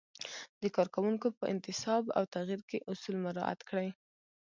د کارکوونکو په انتصاب او تغیر کې اصول مراعت کړئ.